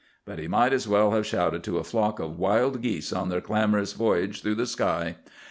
But he might as well have shouted to a flock of wild geese on their clamorous voyage through the sky.